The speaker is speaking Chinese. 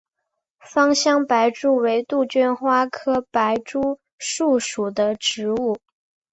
芳香白珠为杜鹃花科白珠树属的植物。